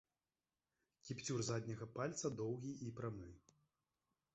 Кіпцюр задняга пальца доўгі і прамы.